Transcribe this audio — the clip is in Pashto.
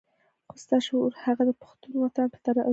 خو ستا شعور هغه د پښتون وطن په ترازو کې.